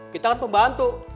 kita kan pembantu